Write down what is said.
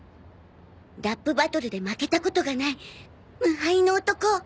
ラップバトルで負けたことがない無敗の男。